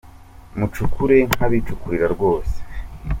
Mucukure nk’abicukurira rwose